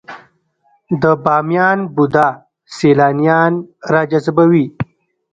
د بامیان بودا سیلانیان راجذبوي؟